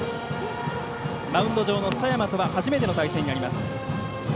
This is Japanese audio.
マウンド上の佐山とは初めての対戦になります。